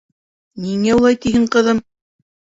— Ниңә улай тиһең, ҡыҙым?